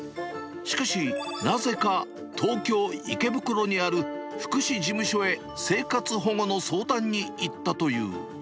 しかし、なぜか東京・池袋にある福祉事務所へ生活保護の相談に行ったとい